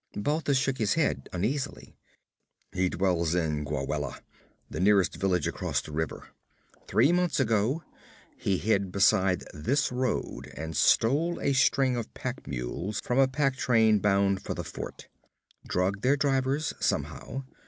Balthus shook his head uneasily. 'He dwells in Gwawela, the nearest village across the river. Three months ago he hid beside this road and stole a string of pack mules from a pack train bound for the fort drugged their drivers, somehow.